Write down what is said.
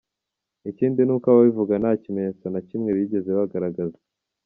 Ikindi ni uko ababivuga nta kimenyetso na kimwe bigeze bagaragaza.